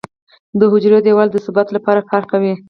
د حجروي دیوال د ثبات لپاره کار کوي.